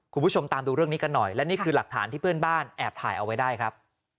คุณผู้ชมตามดูเรื่องนี้กันหน่อยและนี่คือหลักฐานที่เพื่อนบ้านแอบถ่ายเอาไว้ได้ครับ